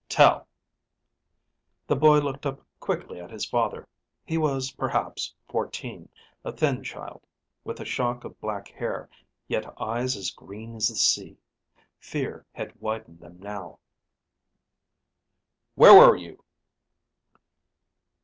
"Tel." The boy looked up quickly at his father. He was perhaps fourteen, a thin child, with a shock of black hair, yet eyes as green as the sea. Fear had widened them now. "Where were you?"